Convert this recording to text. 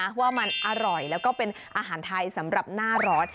เพราะว่ามันอร่อยแล้วก็เป็นอาหารไทยสำหรับหน้าร้อน